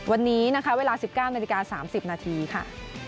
วันนี้นะคะเวลาสิบเก้านาฬิกาสามสิบนาทีค่ะ